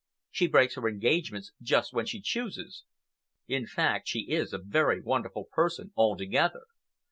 She breaks her engagements just when she chooses. In fact, she is a very wonderful person altogether."